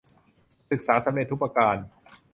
ศึกษาสำเร็จทุกประการ